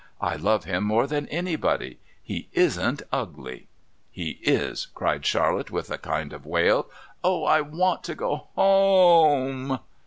I love him more than anybody. He isn't ugly!" "He is," cried Charlotte with a kind of wail. "Oh! I want to go home."